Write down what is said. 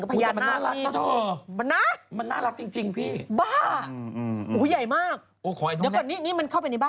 เฮ่ยแล้วเขาพาดไว้ที่คอ